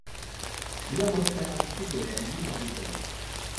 Beliau merupakan anak ketiga dari lima adik-beradik